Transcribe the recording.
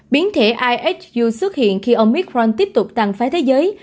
biến thể ihu xuất hiện khi omicron tiếp tục tăng phái thế giới